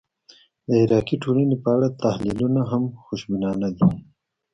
د عراقي ټولنې په اړه تحلیلونه هم خوشبینانه دي.